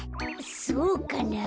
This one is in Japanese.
そうかなあ。